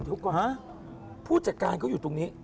ดูกว่าผู้จัดการก็อยู่ตรงนี้